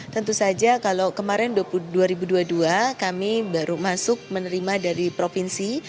tentu saja kalau kemarin dua ribu dua puluh dua kami baru masuk menerima dari provinsi